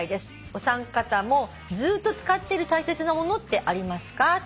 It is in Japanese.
「お三方もずっと使ってる大切なものってありますか？」